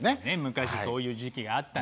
昔そういう時期があったんです。